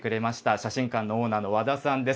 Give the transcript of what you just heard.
写真館のオーナーの和田さんです。